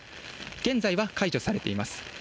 現在は解除されています。